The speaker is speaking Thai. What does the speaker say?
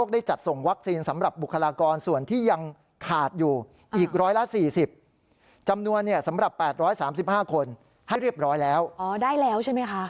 ได้แล้วใช่ไหมคะ